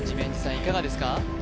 いかがですか？